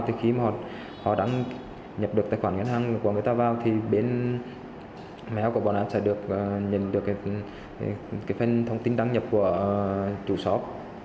thì khi mà họ đăng nhập được tài khoản ngân hàng của người ta vào thì bên mẹo của bọn em sẽ được nhận được cái phần thông tin đăng nhập của trụ sọc